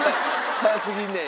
「早すぎんねん」